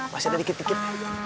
masih ada dikit dikit